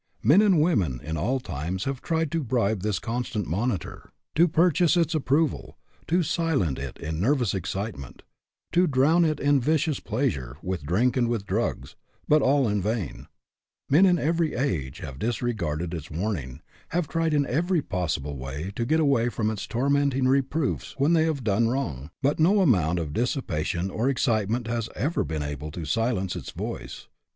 Men and women in all times have tried to bribe this constant monitor; to purchase its HAPPY ? IF NOT, WHY NOT? 149 approval; to silence it in nervous excitement; to drown it in vicious pleasure, with drink and with drugs but all in vain. Men in every age have disregarded its warning; have tried in every possible way to get away from its tormenting reproofs when they have done wrong ; but no amount of dissipation or excite ment has ever been able to silence its voice.